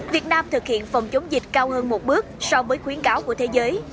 việt nam thực hiện phòng chống dịch cao hơn một bước so với khuyến cáo của thế giới